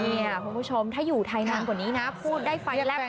นี่นะคุณผู้ชมถ้าอยู่ไทยนานกว่านี้นะพูดได้ไฟรับแน่นอน